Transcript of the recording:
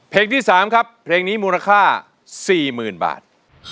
เพลงที่๓ครับเพลงนี้มูลค่า๔๐๐๐บาท